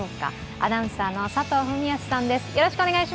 アナウンサーの佐藤文康さんです。